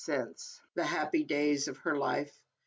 sense, the happy days of her life.